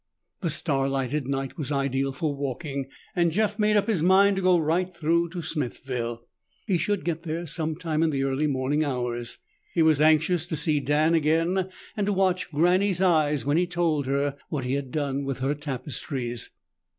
The star lighted night was ideal for walking and Jeff made up his mind to go right through to Smithville. He should get there some time in the early morning hours. He was anxious to see Dan again and to watch Granny's eyes when he told her what he had done with her tapestries.